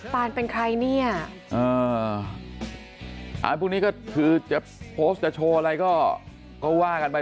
ปานเป็นใครเนี่ยพวกนี้ก็คือจะโพสต์จะโชว์อะไรก็ว่ากันไป